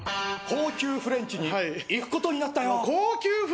高級フレンチに行くことになった？